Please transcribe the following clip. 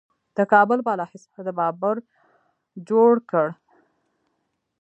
د کابل بالا حصار د بابر جوړ کړ